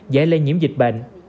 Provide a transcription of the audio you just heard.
dễ lây nhiễm dịch bệnh